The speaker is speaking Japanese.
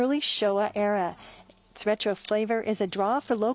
はい。